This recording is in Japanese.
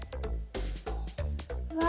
うわ！